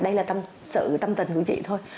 đây là tâm sự tâm tình của chị thôi